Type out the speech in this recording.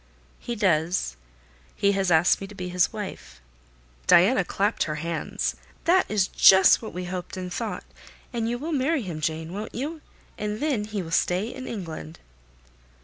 "He does—he has asked me to be his wife." Diana clapped her hands. "That is just what we hoped and thought! And you will marry him, Jane, won't you? And then he will stay in England."